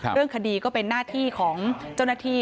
เรื่องคดีก็เป็นหน้าที่ของเจ้าหน้าที่